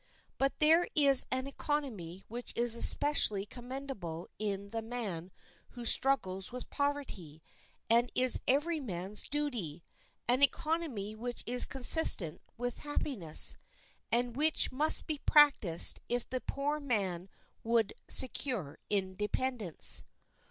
But there is an economy which is especially commendable in the man who struggles with poverty, and is every man's duty—an economy which is consistent with happiness, and which must be practiced if the poor man would secure independence.